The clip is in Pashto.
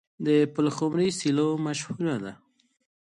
د پلخمري سیلو مشهوره ده.